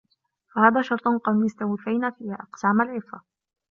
فَهَذَا شَرْطٌ قَدْ اسْتَوْفَيْنَا فِيهِ أَقْسَامَ الْعِفَّةِ